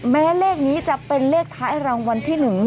แม้เลขนี้จะเป็นเลขท้ายรางวัลที่หนึ่ง